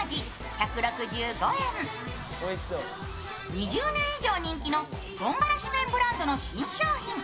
２０年以上人気のとんがらし麺ブランドの新商品。